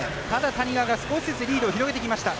谷川が少しずつリードを広げてきました。